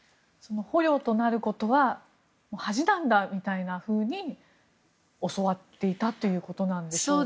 捕虜となることは恥なんだみたいなふうに教わっていたということなんでしょうか。